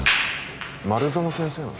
丸園先生の？